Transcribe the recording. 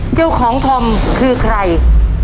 เจ้าของธอมคือใคร